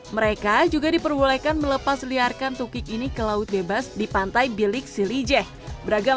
mereka juga diperbolehkan melepas liarkan tukik ini ke laut bebas di pantai bilik silijeh beragam